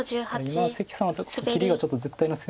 今関さんは切りがちょっと絶対の。